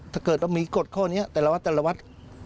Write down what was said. ถ้าเกิดเรามีกฎข้อนี้แต่ละวัดแต่ละวัด